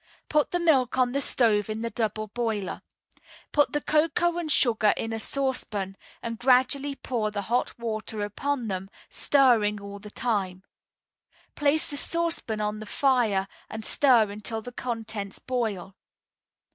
Put the milk on the stove in the double boiler. Put the cocoa and sugar in a saucepan, and gradually pour the hot water upon them, stirring all the time. Place the saucepan on the fire and stir until the contents boil.